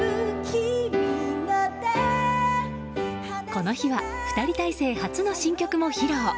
この日は２人体制初の新曲も披露。